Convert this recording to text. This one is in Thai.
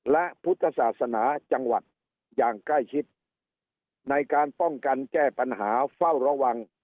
และพุทธศาสนาจังหวัดอย่างใกล้ชิดในการป้องกันแก้ปัญหาเฝ้าระวัง